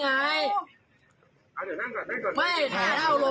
ใส่เสื้อปกครอง